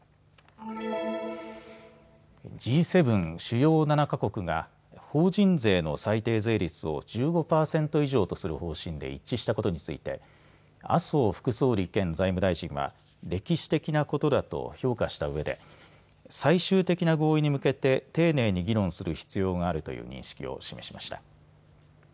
Ｇ７・主要７か国が法人税の最低税率を１５％以上とする方針で一致したことについて麻生副総理兼財務大臣は歴史的なことだと評価したうえで最終的な合意に向けて丁寧に議論する必要があるという認識を示しました。